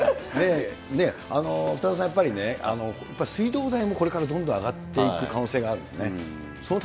北澤さん、やっぱりね、水道代もこれからどんどん上がっていく可能性があるんですね。